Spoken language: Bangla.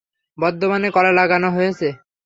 বর্ধমানে কল লাগানো হয়েছে।